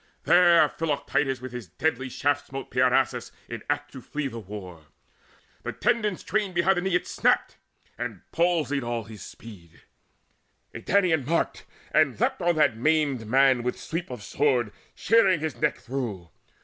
There Philoctetes with his deadly shaft Smote Peirasus in act to flee the war: The tendons twain behind the knee it snapped, And palsied all his speed. A Danaan marked, And leapt on that maimed man with sweep of sword Shearing his neck through.